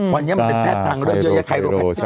วันนี้มันเป็นแพทย์ทางเลือกเยอะแยะ